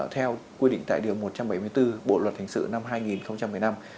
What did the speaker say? theo quy định tại điều một trăm bảy mươi bốn bộ luật hình sự năm hai nghìn một mươi năm